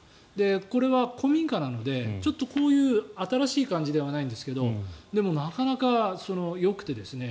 これは、古民家なのでこういう新しい感じではないんですがでも、なかなかよくて。